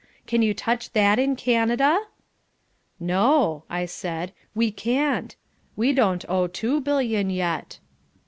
Can you touch that in Canada?" "No," I said, "we can't. We don't owe two billion yet."